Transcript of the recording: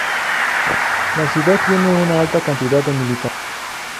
La ciudad tiene una alta cantidad de militares.